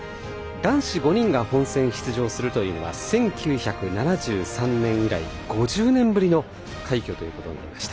男子５人が本戦出場するのは１９７３年以来５０年ぶりの快挙となりました。